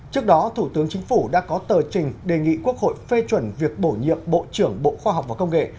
trước đó thủ tướng chính phủ đã có tờ trình đề nghị quốc hội phê chuẩn việc bổ nhiệm bộ trưởng bộ khoa học và công nghệ